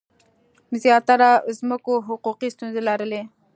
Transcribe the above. زیاتره ځمکو حقوقي ستونزي لرلي.